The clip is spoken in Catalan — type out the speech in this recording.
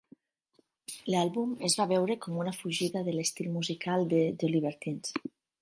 L'àlbum es va veure com una fugida de l'estil musical de The Libertines.